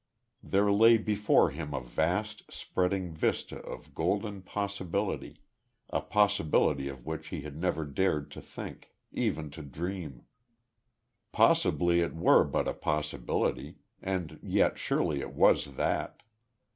There lay before him a vast, spreading vista of golden possibility a possibility of which he had never dared to think even to dream. Possibly it were but a possibility and yet surely it was that.